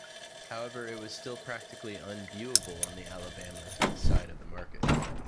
However, it was still practically unviewable on the Alabama side of the market.